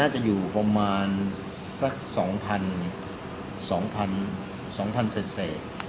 น่าจะอยู่ประมาณสักสองพันสองพันสองพันเซ็ดเซ็ด